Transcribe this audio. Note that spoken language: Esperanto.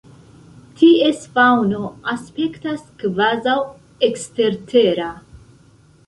Ties faŭno aspektas kvazaŭ ekstertera.